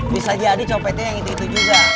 bisa jadi copetnya itu juga saya udah tiga kali ketemu